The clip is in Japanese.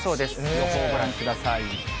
予報、ご覧ください。